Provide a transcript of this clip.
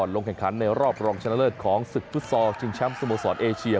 ลงแข่งขันในรอบรองชนะเลิศของศึกฟุตซอลชิงแชมป์สโมสรเอเชีย